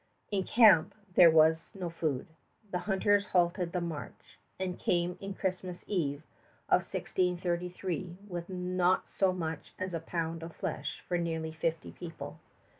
In camp was no food. The hunters halted the march, and came in Christmas Eve of 1633 with not so much as a pound of flesh for nearly fifty people.